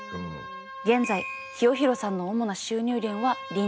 現在清弘さんの主な収入源は林業。